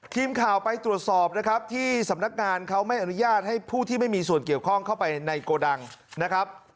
ทีมข่าวไปตรวจสอบนะครับที่สำนักงานเขาไม่อนุญาตให้ผู้ที่ไม่มีส่วนเกี่ยวข้องเข้าไปในโกดังนะครับ